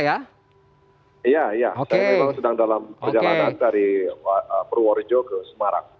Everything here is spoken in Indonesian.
iya iya saya memang sedang dalam perjalanan dari purworejo ke semarang